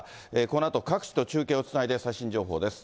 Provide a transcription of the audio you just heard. このあと、各地と中継をつないで最新情報です。